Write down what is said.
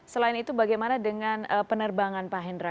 selain itu bagaimana dengan penerbangan pak hendra